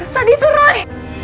tadi itu roy